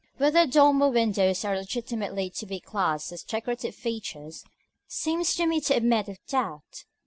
§ VII. Whether dormer windows are legitimately to be classed as decorative features, seems to me to admit of doubt.